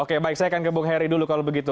oke baik saya akan ke bung heri dulu kalau begitu